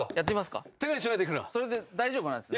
それで大丈夫なんですね？